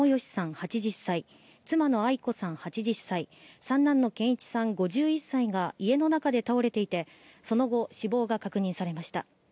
８０歳、妻のアイ子さん８０歳、三男の健一さん５１歳が家の中で倒れていて、その後、死亡が確認されました。